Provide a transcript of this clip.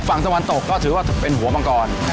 ฝั่งสวรรค์ตกก็ถือว่าเป็นหัวบังกร